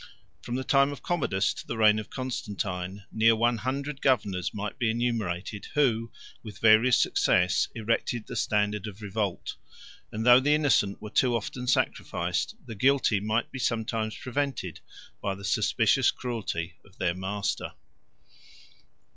From the time of Commodus to the reign of Constantine, near one hundred governors might be enumerated, who, with various success, erected the standard of revolt; and though the innocent were too often sacrificed, the guilty might be sometimes prevented, by the suspicious cruelty of their master.